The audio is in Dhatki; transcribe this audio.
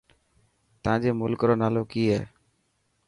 تانجي ملڪ رو نالو ڪي هي.